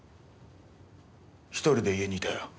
１人で家にいたよ。